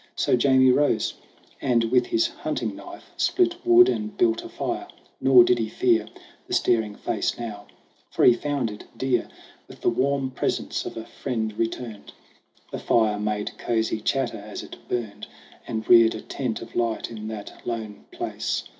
So Jamie rose, and with his hunting knife Split wood and built a fire. Nor did he fear The staring face now, for he found it dear With the warm presence of a friend returned. The fire made cozy chatter as it burned, And reared a tent of light in that lone place.